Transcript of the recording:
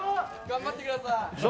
頑張ってください！